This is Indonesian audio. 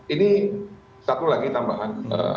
ini satu lagi tambahan